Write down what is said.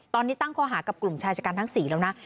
ตอนนี้ตั้งข้อหากับกลุ่มชายชะกันทั้ง๔แล้วนะ